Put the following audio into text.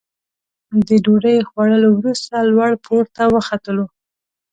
د ډوډۍ خوړلو وروسته لوړ پوړ ته وختلو.